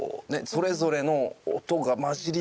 それぞれの音が混じり合う。